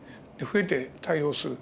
増えて対応する。